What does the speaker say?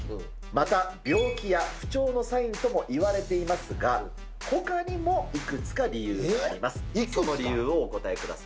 また病気や不調のサインともいわれていますが、ほかにもいくつか理由があります。